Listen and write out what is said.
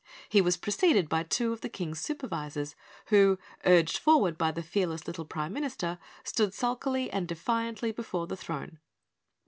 He was preceded by two of the King's Supervisors, who, urged forward by the fearless little Prime Minister, stood sulkily and defiantly before the throne.